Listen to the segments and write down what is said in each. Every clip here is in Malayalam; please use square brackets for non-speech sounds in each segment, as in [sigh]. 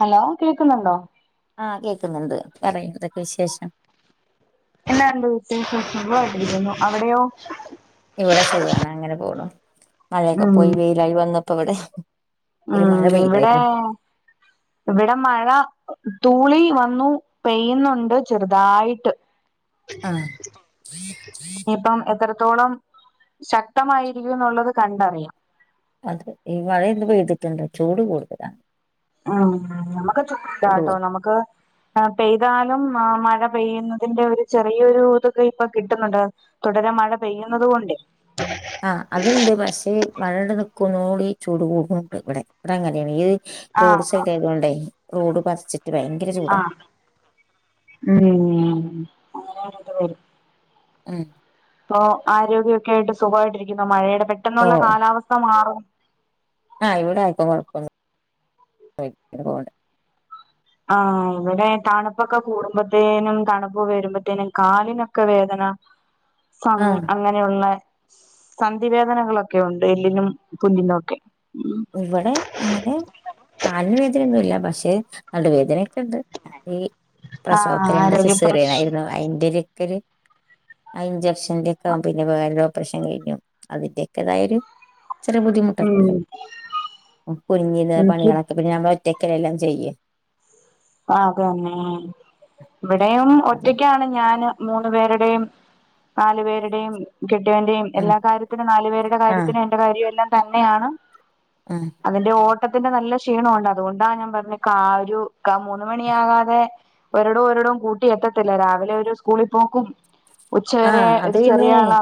ഹലോ കേക്കുന്നുണ്ടോ? ആഹ് കേക്ക്ന്നുണ്ട് പറി എന്തൊക്കെ വിശേഷം എന്നാ എണ്ട് വീട്ട്ല് വിശേഷം സുഖായിട്ടിര്ക്കുന്നു അവിടെയോ ഇവടെ സുഖാണ് അങ്ങെനെ പോണു മഴയൊക്കെ ഉം പോയി വെയ്ലായി വന്നുപ്പോ ഇവടെ. ഉം ഇവിടെ ഇവിടെ മഴ തൂളി വന്നു പെയ്യുന്നുണ്ട് ചെറുതായിട്ട്. ആഹ് ഇനിയിപ്പം എത്രത്തോളം ശക്തമായിരിക്കുന്നുള്ളത് കണ്ടറിയാം. അതെ ഈ മഴെന്ന് പെയ്തിട്ടുണ്ട് ചൂട് കൂട്തലാ. ഉം ന്നമ്മക്ക് ചൂട് ചൂടാട്ടോ കൂടു ന്നമ്മക്ക് അഹ് പെയ്താലും ആ മഴ പെയ്യുന്നതിന്റെ ഒരു ചെറിയൊരു ഇതൊക്കെ ഇപ്പൊ കിട്ട്ന്നുണ്ട്. തുടെരെ മഴ പെയ്യുന്നത് കൊണ്ടെ. ആഹ് അത്ണ്ട് പക്ഷേ മഴയുടെ നിൽക്കുന്നോട് ചൂട് കൂടുന്നുണ്ട് ഇവിടെ ഇവിടെ അങ്ങനേണ് ഈ റോഡ് ആഹ് സൈഡായതോണ്ടേ റോഡ് പർച്ചി ആഹ് ഉം ഉം ഇപ്പൊ ആരോഗ്യൊക്കെ ആയിട്ട് സുഖായിട്ടിരിക്കുന്നു മഴയുടെ പെട്ടെന്നുള്ള ഓഹ് കാലാവസ്ഥ മാറും ആഹ് ഇവിടെ ആയിപ്പൊ കുഴപ്പല്ല അ ഇതോടെ ആഹ് ഇവിടെ തണുപ്പൊക്കെ കൂടുമ്പത്തേനും തണുപ്പ് വരുമ്പത്തേനും കാലിനൊക്കെ വേദന ഇപ്പങ്ങനെ ആഹ് അത് അങ്ങനെയുള്ള സന്ധി വേദനകളൊക്കെ ഉണ്ട് എല്ലിനും തുന്നിലൊക്കെ ഉം ഇവിടെ അങ്ങനെ കാലിന് വേദനയൊന്നുല്ല പക്ഷെ നടു വേദനൊക്കെണ്ട് ഇ ആ പ്രസവക്കൊ രണ്ട് ആരോഗ്യ പ്രശ്ന സിസേറിയനായിരുന്നു അയിന്റെ ഒര് കൊര് ആ ഇഞ്ചക്ഷന്റെക്കാകും പിന്നെ വേറെര് ഒപ്രഷൻ കഴിഞ്ഞു അതിൻ്റെൊക്കെ ഇതായൊരു ചെറിയ ഉം ബുദ്ധിമുട്ടൊക്കെണ്ട് കുന്ഞ്ഞിന്ന് എനിക്ക് പണികളൊക്കെ പിന്നെ നമ്മള് ഒറ്റക്കല്ലെ എല്ലാം ചെയ്യ ആതന്നെ ഇവിടെയും അതിന് ഒറ്റക്കാണ് ഞാനും മൂന്ന് പേരുടെയും നാലു പേരുടെയും കെട്ട്യോന്റെയും ഉം എല്ലാ കാര്യത്തിനും നാലു പേരുടെ ആഹ് കാര്യത്തിനും എന്റെ കാര്യവും എല്ലാം തന്നെയാണ് ഉം അതിന്റെ ഓട്ടത്തിന്റെ നല്ല ക്ഷീണുണ്ട് അതൊണ്ടാണ് ഞാൻ പറഞ്ഞേ ക്കാരു ക്ക മൂന്ന് മണിയാകാതെ ഒരടും ഒരടും കൂട്ടി എത്തത്തില്ല രാവിലെ ഒരു സ്കൂളിൽ പോക്കും ഉച്ചവരെ ആഹ് അത് ഒരു പിന്നെ ചെറിയ ആളാ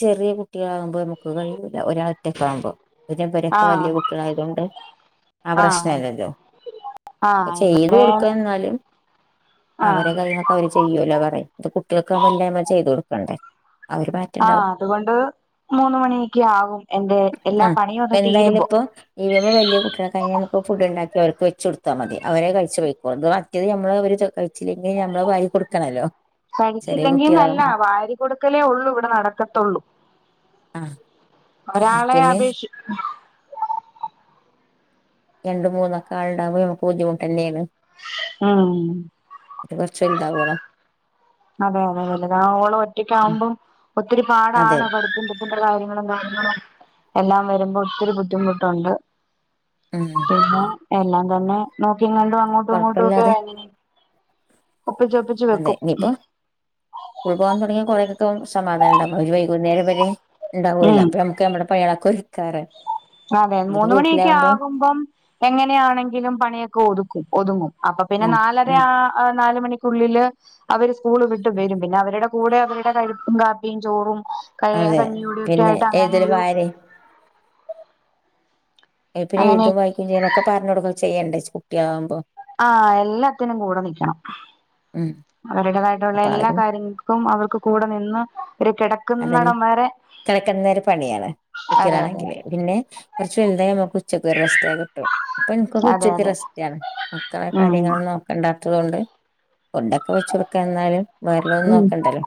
ചെറിയ കുട്ടികളാകുമ്പോ നമുക്ക് കയിയൂല ഒരാളൊറ്റക്കാകുമ്പോ പുതിയ പെരേക്ക് ആഹ് വല്യ കുട്ട്യളായതൊണ്ട് ആ ആഹ് പ്രശ്നല്ലല്ലോ ഓക്കെ ആഹ് ചെയ്ത് ഇവിടെ കൊടുക്കാൻ നിന്നാല് അവരെ ആഹ് കഴ്ഞ്ഞ അവര് ചെയ്യുല്ലോ പറയും ഇത് കുട്ട്യേക്ക് ആകുമ്പ എല്ല നമ്മൾ ചെയ്തു കൊടുക്കണ്ടേ ആ ഒരു മാറ്റണ്ടാവും ആഹ് അതുകൊണ്ട് മൂന്ന് മണിയൊക്കെ ആകും എന്റെ എല്ലാ പണിയും ഒന്ന് തീരുമ്പോ ഇതിലും വല്യ കുട്ട്യൾ കഴിഞ്ഞ നമുക്ക് ഫുഡ് ഉണ്ടാക്കി അവർക്ക് വെച്ച് കൊടുത്താ മതി അവരത്കഴിച്ച് പൊയ്ക്കോളും ഇത് മറ്റേത് നമ്മള് അവര് ക ച്ചില്ലെങ്കിൽ നമ്മള് വാരി കൊടുക്കണല്ലോ ചെറിയ കഴിച്ചില്ലെങ്കിൽന്നല്ല കുട്ടികളാകുമ്പോ വാരി കൊടുക്കലേ ഉള്ളൂ ഇവിടെ നടക്കത്തുള്ളൂ ആഹ് ഒരാളെ പിന്നെ അപേക്ഷി രണ്ട് മൂന്നൊക്കെ ആള്ണ്ടാവുമ്പോ നമുക്ക് ബുദ്ധിമുട്ടല്ലേന്ന്‌, ആഹ് ഇത് കൊർച്ച്‌ വലുതാവോളം, അതെ അതെ അതെ വലുതാവോളം ഉം ഒറ്റക്കാകുമ്പോം ഒത്തിരി അതെ പാടാണ് പടു കാര്യങ്ങളും കാര്യങ്ങളും എല്ലാം വരുമ്പോ ഒത്തിരി ബുദ്ധിമുട്ടുണ്ട്, ഉം പിന്നെ എല്ലാം തന്നെ നോക്കിം കണ്ടും അങ്ങോട്ടും ഇങ്ങോട്ടും ഒക്കെ കൊഴപ്പല്ലാതെ എങ്ങനെ അതെ ഇനിപ്പൊ, സ്കൂൾ പോകാൻ തുടങ്ങിയ കൊറേ യൊക്കെ സമാധാനം ഉണ്ടാകും അപ്പൊ വൈകുന്നേരം വരെ ഉണ്ടാവൂലല്ലൊ ഉം അപ്പം ക്ക് നമ്മുടെ പണിയളൊക്കെ ഒരുക്കാറയ അതെ മൂന്ന് മണിയൊക്കെ ആകുമ്പം, എങ്ങനെയാണെങ്കിലും പണിയൊക്കെ ഒതുക്കും ഒതുങ്ങും അപ്പൊ പിന്നെ ഉം നാലര ഉം ആ ആഹ് നാല് മണിക്കുള്ളില് അവര് സ്കൂള് വിട്ട് വരും പിന്നെ അവരുടെ, കൂടെ അവരുടെ കഴ്പ്പും കാപ്പിയും ചോറും ക അതെ കഞ്ഞിയൂടിയൊക്കെ പിന്നെ ആയിട്ട് അങ്ങനെ ഏതൊരു ഒരു, വായനേ പിന്നെ അങ്ങനെ എഴുതുംവായിക്കും ചെയ്യാനൊക്കെ പറഞ്ഞ് കൊടുക്കും ചെയ്യണ്ടേ കുട്ടിയാകുമ്പോ, ആഹ് എല്ലാത്തിനും കൂടെ നിൽക്കണം ഉം അവരുടേതായിട്ടുള്ള അപ്പൊ എല്ലാ അവരും കാര്യങ്ങള ക്കും അവർക്ക് കൂടെ നിന്ന് ഒരു കിട അതന്നെ കിടക്കുന്ന വരെ പണിയാണ് അതെ അതെ കുട്ടികളാണെങ്കില് പിന്നെ കൊർച് വലുതായാ നമുക്ക്, കൊർചൊക്കെ റസ്റ്റ്‌ കിട്ടും ഇപ്പൊ എനിക്കൊക്കെ അതെ ഉച്ചക്ക് അതെ റെസ്റ്റാണ് മക്കളെ ഉം കാര്യങ്ങൾ നോക്ക ണ്ടാത്തത് കൊണ്ട് ഫുഡൊക്കെ വെച്ച് കൊടുക്കാൻ എന്നാലും വേറെല്ലൊന്നും ഉം നോക്കണ്ടല്ലോ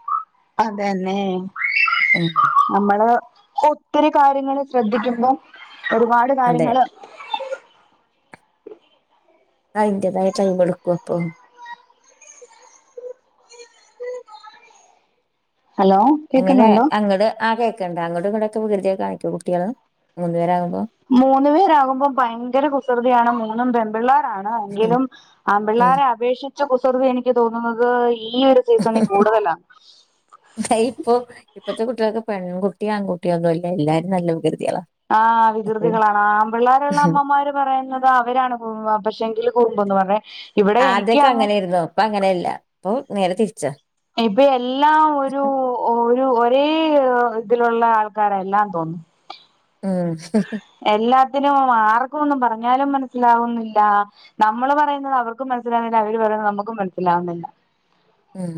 അതന്നെ ഉം നമ്മള് ഒത്തിരി കാര്യങ്ങൾ ശ്രദ്ധിക്കുമ്പോം ഒരുപാട് അതെ കാര്യങ്ങള് അതിന്റെതായ ടൈമ് എടുക്കും അപ്പൊ ഹലോ അങ്ങനെ കേക്കുന്നുണ്ടോ അങ്ങോട് ആ കേക്ക്ണ്ട് അങ്ങോട്ടും ഇങ്ങോട്ടൊക്കെ വികൃതി കാണിക്കോ കുട്ടികൾ മൂന്ന്പേരാവുമ്പോ മൂന്നു പേരാകുമ്പോം ഭയങ്കര കുസൃതിയാണ് മൂന്നും പെൺപിള്ളാ രാണ് ഉം എങ്കിലും ആൺ ഉം പിള്ളേരെ അപേക്ഷിച്ച് കുസൃതി എനിക്ക് തോന്നുന്നത് ഈ ഒരു സീസണിൽ കൂടുതലാണ് അത് ഇപ്പം ഇപ്പഴത്തെ കുട്ടികൾക്ക് പെൺകുട്ടിയോ ആൺകുട്ടിയോ ഒന്നുമല്ല എല്ലാരും നല്ല വികൃതികളാ ആഹ് ഉം വികൃതികളാണ് ആൺ പിള്ളേരുള്ള അമ്മമാരും പറയുന്നത് അവരാണ് പക്ഷെ എങ്കില് കുറുമ്പ് എന്ന് പറയണത് ഇവിടെ എനിക്ക് അങ്ങ് ഇപ്പം അങ്ങനെയല്ല ഇപ്പൊ നേരെ തിരിച്ച ഇപ്പം എല്ലാം ഒരു ഒരു ഒരേ ഇതിലുള്ള ആൾക്കാരെല്ലാം തോന്നും ഉം എല്ലാത്തിനും ആർക്കും ഒന്നും പറഞ്ഞാലും മനസ്സിലാവുന്നില്ല നമ്മള് പറയുന്നത് അവർക്കും മനസ്സിലാവുന്നില്ല അവര് പറയുന്നത് നമുക്കും മനസ്സിലാവുന്നില്ല ഉം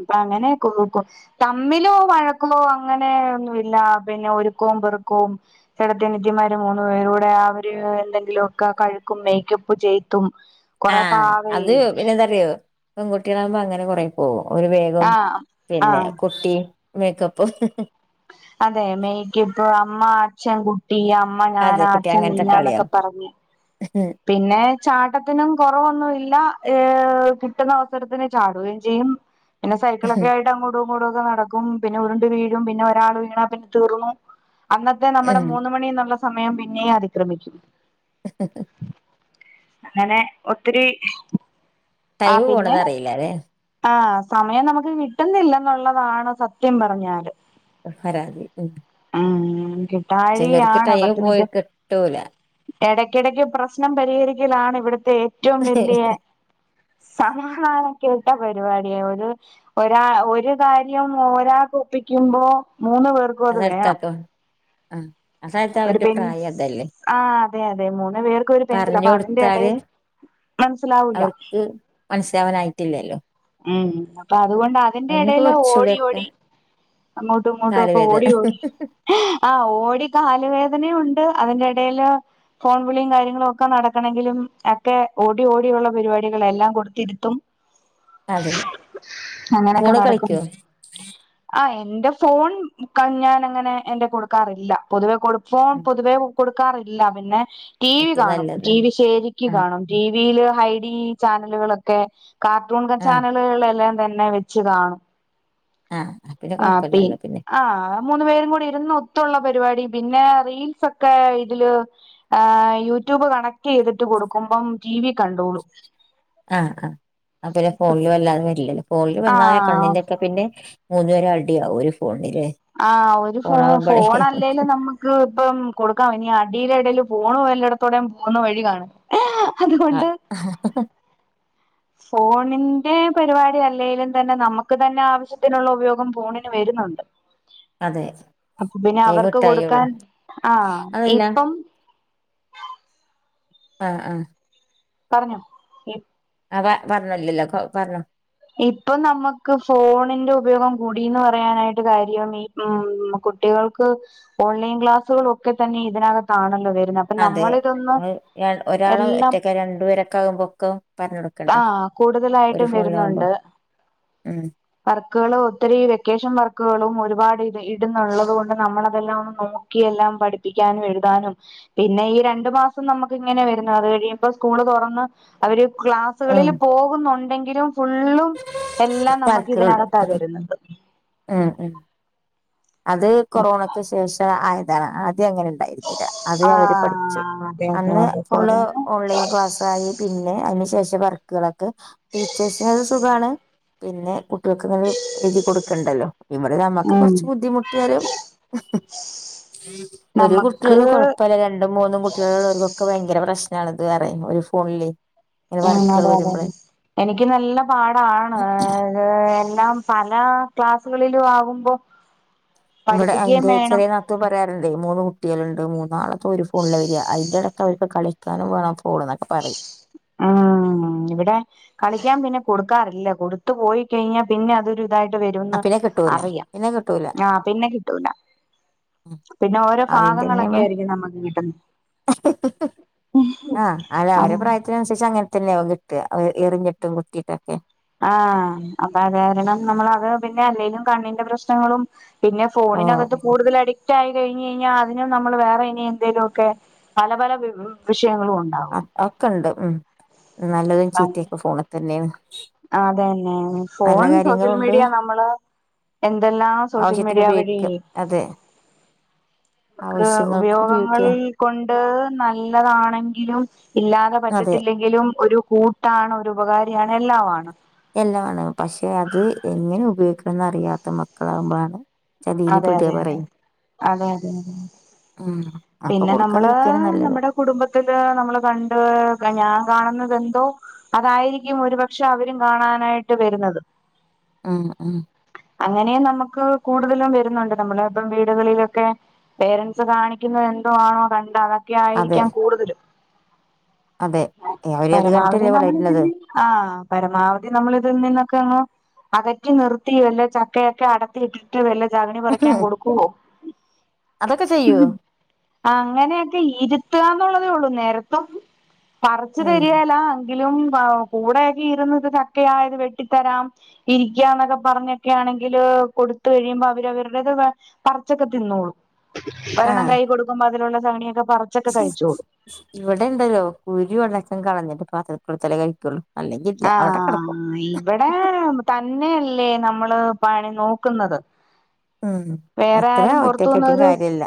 ഇപ്പം അങ്ങനെ [unintelligible] തമ്മിലോ വഴക്കമോ അങ്ങനെ ഒന്നുല്ല പിന്നെ ഒരുക്കവും പെറുക്കവും ചേട്ടത്തിയനിയത്തിമാര് മൂന്നു പേരും കൂടെ അവര് എന്തെങ്കിലുമൊക്കെ കഴിക്കും മേക്കപ്പ് ചെയ്തും ആഹ് അത് പിന്നെ എന്താറിയോ പെൺകുട്ടികളാകുമ്പോ അങ്ങനെ കൊറെ പോകും ഒരു വേഗം ആഹ് പിന്നെ ആഹ് കുട്ടി മേക്കപ്പും അതെ മെയ്ക്ക് ഇപ്പോ അമ്മ അച്ഛൻ കുട്ടി അമ്മ ഞാനാ അച്ഛൻ നീയാന്നൊക്കെ പറഞ്ഞ് ഹം പിന്നെ ചാട്ടത്തിനും കൊറവൊന്നുവില്ല ഏഹ് കിട്ടുന്ന അവസരത്തിന് ചാടുവേം ചെയ്യും പിന്നെ സൈക്കിളെക്കെ ആയിട്ട് അങ്ങോട്ടും ഇങ്ങോട്ടുക്കെ നടക്കും പിന്നെ ഉരുണ്ട് വീഴും പിന്നെരാള് വീണാ പിന്നെ തീർന്നു അന്നത്തെ നമ്മടെ ഉം. മൂന്ന് മണിന്നുള്ള സമയം പിന്നേം അതിക്രമിക്കും. ഉ അങ്ങനെ ഒത്തിരി ടൈം ആഹ് പിന്നെ പോണത് അറിയില്ലല്ലെ ആഹ് സമയം നമുക്ക് കിട്ടുന്നില്ല എന്നുള്ളതാണ് സത്യം പറഞ്ഞാല് പരാതി ഉം ഉം കിട്ടാഴികാ ചിലർക്ക് ആണ് ടൈം പത്ത് പോയി മിനിറ്റ് കിട്ടൂല എടക്കെടക്ക് പ്രശ്നം പരിഹരിക്കലാണ് ഇവിടുത്തെ ഏറ്റോം വല്യേ സമാധാനം കേട്ട പരിപാടിയാ ഒരു ഒരാ ഒരു കാര്യം ഒരാൾക്ക് ഒപ്പിക്കുമ്പോ മൂന്ന് പേർ അതടുത്താക്കും ആഹ് അതത് അവരുടെ പ്രായം അതല്ലേ ആഹ് അതെ അതെ മൂന്ന് പേർക്ക് ഒരു പെൻസിൽ പറഞ്ഞു അപ്പ അതിന്റെ കൊടുത്താല് എടേല് അവർക്ക് മനസ്സിലാവനായിട്ടില്ലല്ലോ ഏഹ് അപ്പ അതുകൊണ്ട് അതിന്റെ എടേല് ഓടി കുറച്ചുകൂടെയൊക്കെ ഓടി അങ്ങോട്ടും കാല് ഇങ്ങോട്ടുവോക്കെ വേദന ഓടി ഓടി ആഹ് ഓടി കാലുവേദനേം ഒണ്ട് അതിന്റെ എടേല് ഫോൺവിളിയും കാര്യ ങ്ങളുവോക്കെ നടക്കണങ്കിലും എക്കെ ഓടി ഓടിയുള്ള പരിപാടികളെല്ലാം കൊടുത്തിരുത്തും അതെ അങ്ങനെക്കെ ഫോണ് നടക്കും കളിക്കോ ആഹ് എന്റെ ഫോൺ മുക്കാലും ഞാൻ അങ്ങനെ എന്റെ കൊടുക്കാറില്ല പൊതുവെ കൊടു ഫോൺ ഉം, പൊതുവേ കൊടുക്കാറില്ല പിന്നെ ടി വി ഏറ്റവും കാണും നല്ലത് ടി വി ശെരിക്ക് ആഹ് കാണും ടി വില് ഹൈ ഡി ചാനലുകളൊക്കെ കാർട്ടൂൺ ആഹ് ചാനലുകളെല്ലാം തന്നെ വെച്ച് കാണും ആഹ് ആഹ്‌ ആഹ് പി ആഹ് മൂന്നുപേരും കൂടി ഇരുന്ന് ഒത്തുള്ള പരിപാടി പിന്നെ റീൽസ് ഒക്കെ ഇതില് ഏഹ് യൂട്യൂബ് കണക്റ്റ് ചെയ്തിട്ട് കൊടുക്കുമ്പം ടി വി കണ്ടോളു ആഹ് ആഹ് ആ പിന്നെ ഫോണില് വല്ലാതെ വരില്ലല്ലോ ഫോണിൽ വന്നാ ആഹ് കണ്ണിന്റെക്കെ പിന്നെ മൂന്ന് പേരും അടിയാവും ഒരു ഫോണില് ആഹ് ഒരു ഫോ ഫോണാവുമ്പഴേ ഫോൺ അല്ലേലും നമ്മ ക്ക് ഇപ്പം കൊടുക്കാം ഇനി അടിടെ എടെലും ഫോണു വെല്ലേടുത്തോടെയും പോകുന്ന വഴി കാണ് ആഹ് ഫോണിന്റെ പരിപാടി അല്ലെലും തന്നെ നമുക്ക് തന്നെ ആവശ്യത്തിനുള്ള ഉപയോഗം ഫോണി ണിന് വരുന്നോണ്ട് അതെ അപ്പോ പിന്നെ ടൈം അവർക്ക് ഇട്ടായേള്ളൂ കൊടുക്കാൻ ആഹ് അതല്ല ഇപ്പം ആഹ് ആഹ് പറഞ്ഞോ അതാ പറ്ഞ്ഞല്ലല്ലോ പറ്ഞ്ഞോ ഇപ്പം നമുക്ക് ഫോണിന്റെ ഉപയോഗം കൂടിന്ന് പറയാനായിട്ട് കാര്യമി ഉം കുട്ടികൾക്ക് ഓൺലൈൻ ക്ലാസ്സുകളൊക്കെതന്നെ ഇതിനകത്താണല്ലോ വരുന്നേ അതെ ഏഹ് ഒരാള എല്ലാം ഒറ്റക്കാ രണ്ടുപേരൊക്കെ ആകുമ്പൊക്കും പറഞ്ഞടു ആഹ് കൂടുതലായിട്ടും വെരുന്നോണ്ട് ഉം വർക്കുകൾ ഒത്തിരി വെക്കേഷൻ വർക്കുകളും ഒരുപാട് ഇത് ഇടുന്നുള്ളത്കൊണ്ട് നമ്മൾതെല്ലാം ഒന്ന് നോ ക്കി എല്ലാം പഠിപ്പിക്കാനും എഴുതാനും പിന്നെ ഈ രണ്ടു മാസം നമുക്ക് ഇങ്ങനെ വരുന്നു അത് കഴിയുമ്പ സ്കൂള് തുറന്ന് അവര് ക്ലാസ് ക്ലാസുകളിൽ ഉം പോകുന്നുണ്ടെങ്കിലും ഫുള്ളും എല്ലാം നമക്ക് വർക്കുകളുണ്ട് ഇതിനകത്താ ഉം തരുന്നത് ഉം ഉം അത് കൊറോണക്ക് ശേഷം ആയതാണ് ആദ്യം അങ്ങനെ ണ്ടായിരുന്നില്ല അത് അവര് പഠിച്ചു ആഹ് അതെ അതെ അന്ന് അതെ ഫുള്ള് കൊറോണ ഓൺലൈൻ ക്ലാസ്സായി പിന്നെ അതിനു ശേഷം വർക്കുകളൊക്കെ ടീച്ചേഴ്സിനത് സുഖാണ് പിന്നെ കുട്ടികൾക്ക് ഇങ്ങനെ എഴ്തി കൊടുക്കണ്ടല്ലോ ഇവിടെ നമ്മക്ക് കൊറ് ഉം ച്ച് ബുദ്ധിമുട്ടിയാലും ഒരു നമുക്ക് കുട്ടിക്ക്‌ കൊഴപ്പല്ല രണ്ടും മൂന്നും കു കുട്ടികുള്ളവർക്കൊക്കെ ഭയങ്കര പ്രശ്നമാണത് ഇത് പറയും ഒരു ഫോണില് ഇങ്ങനെ ഉം വർക്കുകൾ അതെ അതെ വരുമ്പോളേ എനിക്ക് നല്ല പാടാണ് ഏ എല്ലാം പല ക്ലാസുകളിലും ആകുമ്പോ ഇവിടെ പഠിപ്പിക്കുകയും എന്റെ വേണം ചെറിയ നാത്തൂൻ പറയാറുണ്ട് മൂന്ന് കുട്ടിയാളുണ്ട് മൂന്നാളത്ത് ഒരു ഫോണില വെര അയിന്റെട അവർക്ക് കളിക്കാനും വേണം ഫോൺ എന്നൊക്കെ പറിം ഉം ഇവിടെ കളിക്കാൻ പിന്നെ കൊടുക്കാറില്ല കൊടുത്തു പോയി കഴിഞ്ഞാ പിന്നെ അതൊരു ഇതായിട്ട് ആ വരുംന്ന് പിന്നെ കിട്ടൂല അറിയാം പിന്നെ കിട്ടൂല ആ പിന്നെ കിട്ടൂല ഉം പിന്നെ ഓരോ ആദ്യം തന്നെ ഭാഗങ്ങളൊക്കെ അവൻ ആയിരിക്കും നമ്മുക്ക് കിട്ടുന്നെ ആഹ് അല്ല അത് അവരെ പ്രായത്തി ത്തിനന്സരിച്ച് അങ്ങന് തന്നെയാവും കിട്ട എറിഞ്ഞിട്ടും കുത്തിട്ടൊക്കെ ആഹ് അപ്പൊ അതാരണം നമ്മൾ അത് പിന്നെ അല്ലെലും കണ്ണിന്റെ പ്രശ്നങ്ങളും പിന്നെ ഓ ഫോണിനകത്ത് കൂടുതലടി റ്റായി കഴിഞ് കഴിഞ്ഞാൽ അതിനും നമ്മൾ വേറെ ഇനി എന്തെലുക്കെ പല പല വി വിഷയങ്ങളും ഉണ്ട് അഒക്കെ ഉണ്ട് ഉം നല്ലതും ചീത്തയൊക്കെ ഫോണിതന്നെണ് അതെന്നെ ഫോൺ സോഷ്യൽ മീഡിയ നമ്മള് എന്തെല്ലാം ആവശ്യത്തിന് സോഷ്യൽമീഡിയ വഴി ഉപയോഗിക്കാം അതെ നമ്മക്ക് ആവശ്യങ്ങൾക്ക് ഉപയോഗങ്ങൾ ഉപയോഗിക്കുക കൊണ്ട് നല്ലതാണെങ്കിലും ഇല്ലാതെ അതെ പറ്റത്തില്ലെങ്കിലും ഒരു കൂട്ടാണ് ഒരു ഉപകാരിയാണ് എല്ലാമാണ് എല്ലാമാണ് പക്ഷെ അത് എങ്ങനെ ഉപയോഗിക്കണം എന്ന അറിയാത്ത മക്കളാവുമ്പോളാണ് ചതിൽ പെടുക പറയും അതെയതെ ഉം അപ്പൊ പിന്നെ നമ്മള് കൊടുക്കാതിരിക്കാനാ നല്ലത് നമ്മടെ. കുടുംബത്തില് നമ്മള് കണ്ട് ഞാൻ കാണുന്നത് എന്തോ. അതായിരിക്കും ഒരുപക്ഷെ അവരും കാണാനായിട്ട് വരുന്നത്. ഉം. ഉം. അങ്ങനെ നമുക്ക് കൂടുതലും വരുന്നുണ്ട് നമ്മള ഇപ്പം വീടുകളിലൊക്കെ. പേരൻറ്സ് കാണിക്കുന്നത് എന്തോ ആണോ കണ്ട അതൊക്കെ അതെ ആയിരിക്കാം കൂടുതലും. അതെ അവരത് പരമാവധി കണ്ടിട്ടല്ലേ നമ്മള ഇതിൽ വളരുന്നത് നിന്ന്. ആഹ പരമാവധി നമ്മള ഇതിൽ നിന്നൊക്കെ അങ്ങോ അകറ്റി നിർത്തിയോ അല്ലോ ചക്കയൊക്കെ അട. ട്ടിട്ട് വല്ല ചഗണി പറയ്ക്കാൻ കൊടുക്കുവോ. അതൊക്കെ ചെയ്യോ അങ്ങനെയൊക്കെ ഇരുത്തുക എന്നുള്ളതേ ഉള്ളൂ നേരത്തും പറച്ച് ഉം തരിയേലാ. എങ്കിലും കൂടെക്കെ ഇരന്നു ചക്ക ആയത് വെട്ടിത്തരാം ഇരിക്ക എന്നൊക്കെ. പറഞ്ഞൊക്കെ ആണെങ്കില് കൊടുത്ത കഴിയുമ്പോ അവരവരുടേത് പറച്ചൊക്കെ തിന്നുള്ളൂ. ഒരെണ്ണം ആഹ് കൈ കൊടുക്കുമ്പോ അതിലുള്ള ചവിണിയൊക്കെ പറ. ഇവിടെ ഇണ്ടല്ലോ കുരു അടക്കം കളഞ്ഞിട്ട് പാത്ര ത്തില് കൊടുത്താലേ കഴിക്കുള്ളൂ. അല്ലെങ്കിൽ ഇല്ല അവിടെ കിടക്കും ആഹ് ഇവിടെ തന്നെയല്ലേ നമ്മള് പണി നോക്കുന്നത്.. ഉം. വേറെ അത്ര ആരും പൊറത്തു ഒറ്റക്കെട്ടും നിന്നരു. കാര്യല്ല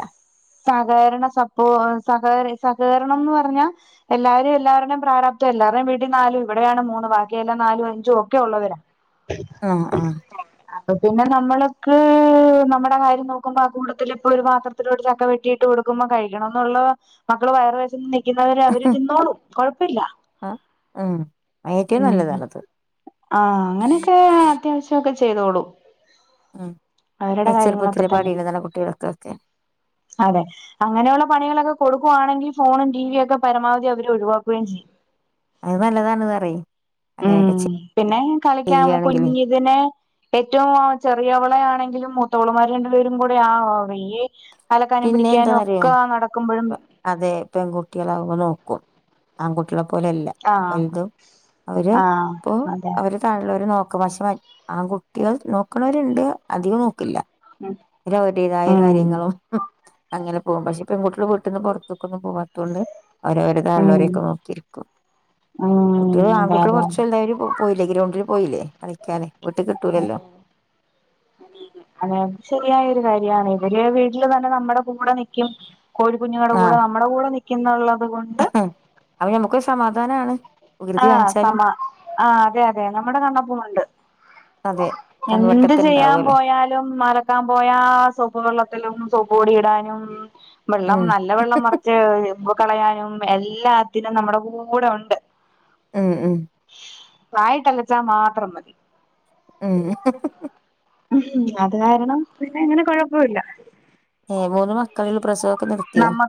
സഹകരണ സപ്പോ സഹ സഹകരണംന്ന് പറഞ്ഞാ. എല്ലാരും എല്ലാരുടെേയും പ്രാരാപ്തം എല്ലാവരുടെയും വീട്ടടി നാലും ഇവിടെയാണ് മൂന്ന് ബാക്കി എല്ലാം നാലും അഞ്ചും ഒക്കെ ഉള്ളവരാ. ആഹ് ആഹ് അപ്പൊ പിന്നെ നമ്മളക്ക് നമ.. കാര്യ നോക്കുമ്പോ ആ കൂട്ടത്തില ഇപ്പൊ ഒരു പാത്രത്തിലോടെ ചക്ക വെട്ടിട്ട് കൊടുക്കുമോ കഴിക്കണം എന്നുള്ളവർ. മക്കള് വയറ വേന്ച്ച നിക്ക. ക്കുന്നവരെ അവര് തിന്നോളും കൊഴപ്പല്ല ആഹ് ഉം ഉ. ഏറ്റവും നല്ലതാണത് ആ അങ്ങനെയൊക്കെ അത്യാവശ്യംക്കെ ചെയ്തോളൂ. ഉം അ ചെറുപ്പത്തി തന്നെ പാടില്ല തന്ന കുട്ടികളൊക്കെ ഒക്കെ. അതെ. അങ്ങനെയുള്ള പണികളൊക്കെ കൊടുക്കുവാണെങ്കിൽ ഫോണും ടി വിിയ ഒക്കെ പരമാവധി അവർ ഒഴിവാക്കുകയും ചെയ്യും. അത് നല്ലതാണ് പറയും അങ്ങനെയൊക്കെ ഉം പിന്നെ കളിക്കൻ ചെയ്യാണെങ്കില് ള്ളകുഞ്. ഇതിനെ ഏറ്റവും ചെറിയവളയാണെങ്കിലും മുത. തോളുമാര രണ്ടുപേരും കൂടെ ആ [unintelligible] അലക്കാനും പിന്നെ പിടിക്കാനും എന്താന്നറിയോ ഒക്കെ നടക്കുമ്പോഴും. അതെ പെൺകുട്ടികളാവ് മ്പം നോക്കും. ആൺകുട്ടികളെ പോലെല്ല ആഹ് വലുതും അവര് ആഹ് ഇപ്പൊ അതെ അവരെ. താഴള്ളവര് നോക്ക പക്ഷെ ആൺകുട്ടികൾ നോക്കണവരുണ്ട് അധികം നോക്കില്ല. ര് അവരുടേതായ ഉം കാര്യങ്ങളും. ഉം അങ്ങനെ പോകും പക്ഷെ പെൺകുട്ടികുടെ വീട്ടിൽന്ന് പുറത്തൊക്കൊന്നും പോവാ. ണ്ട് ഓരോര ത ഉം ഉള്ളവരെയൊക്കെ നോക്കിയിരിക്കും. കുട്ടികൾ ഉം അതെ ആൺകുട്ടിക അതെ കുറച്ച എല്ലാവും പോയില്ലേ ഗ്രൗണ്ടിൽ പോയില്ലേ കളിക്കാെ വീട്ടിൽ കിട്ടൂലല്ലോ. അ. അതെത് ശരിയായൊരു കാര്യമാണ് ഇതില് വീട്ടില് തന്നെ നമ്മുടെ കൂടെ നിക്കും. കോഴിക്കുഞ്ഞുങ്ങടെ കൂടെ നമ്മുടെ കൂടെ നിൽക്കുന്നുള്ളത് കൊണ്ട്. ക്ഹ് അപ്പൊ നമ്മുക്ക് ഒര് സമാധാനമാണ്. ആ് സമ ആഹ് അതെ അതെ നമ്മുടെ കണ്ണപ്പമുണ്ട്. അതെ എന്ത് കൺവെട്ടത്ത് ചെയ്യാൻ ഇണ്ടാവല്ലോ പോയാലും മറ. ക്കാൻ പോയാ സോപ്പ് വെള്ളത്തിലും സോപ്പ് പൊടി ഇടാനും വെള്ളം ഉം നല്ല വെള്ളം മറ- ച്ച് കളയാനും എല്ലാത്തിനും നമ്മുടെ കൂടെ ഉണ്ട്. ഉം ഉം. വായിട്ടലച്ചാ മാത്രം മതി. ഉം ഉ അത് കാരണം പിന്നെ ഇങ്ങനെ കുഴപ്പില്ല. ഏഹ മൂന്ന് മക്കളുള്ള പ്രസവൊക്കെ നിർത്തിയോ? നമ്മ